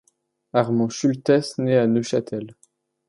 Armand Schulthess naît à Neuchâtel.